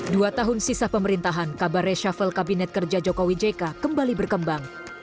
dua tahun sisa pemerintahan kabar reshuffle kabinet kerja jokowi jk kembali berkembang